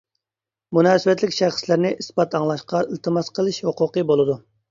مۇناسىۋەتلىك شەخسلەرنى ئىسپات ئاڭلاشقا ئىلتىماس قىلىش ھوقۇقى بولىدۇ.